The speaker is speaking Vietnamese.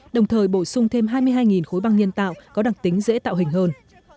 đồng thời bổ sung thêm hai mươi hai khối băng nhân tạo có đặc tính dễ tạo hình hơn